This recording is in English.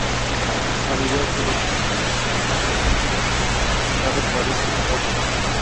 The Mayer Group has been awarded the Blue Angel ecolabel.